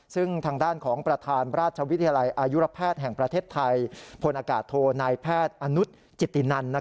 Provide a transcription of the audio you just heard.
ซึ่งทางด้านของประธานราชวิทยาลัยอายุรแพทย์แห่งประเทศไทยพลอากาศโทนายแพทย์อนุจิตินัน